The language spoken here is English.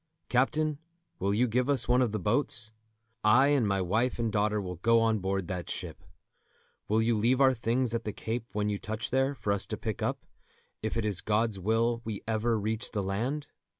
Captain, will you give us one of the boats? I and my wife and daughter will go on board that ship. Will you leave our things at the Cape when you touch there, for us to pick up, if it is God's will we ever reach the land?"